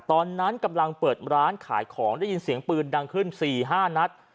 ตอนนั้นกำลังเปิดร้านขายของได้ยินเสียงปืนดังขึ้น๔๕นัด